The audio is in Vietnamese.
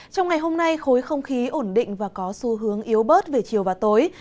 trong ngày hôm nay khối không khí ổn định và có xu hướng yếu bớt về chiều và tối